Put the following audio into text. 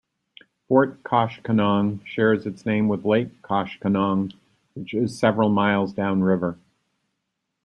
Fort Koshkonong shares its name with Lake Koshkonong, which is several miles downriver.